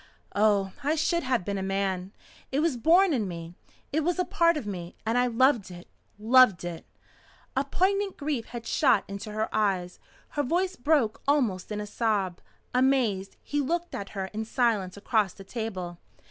Oh, I should have been a man! It was born in me. It was a part of me. And I loved it loved it." A poignant grief had shot into her eyes. Her voice broke almost in a sob. Amazed, he looked at her in silence across the table.